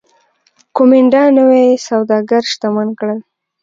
کومېنډا نوي سوداګر شتمن کړل